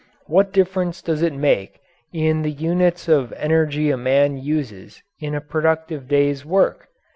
What difference does it make in the units of energy a man uses in a productive day's work?